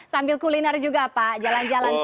sambil kuliner juga pak jalan jalan